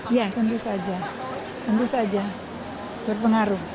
ya tentu saja tentu saja berpengaruh